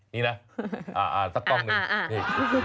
นี่นะสักต้องนึง